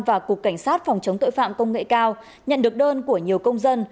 và cục cảnh sát phòng chống tội phạm công nghệ cao nhận được đơn của nhiều công dân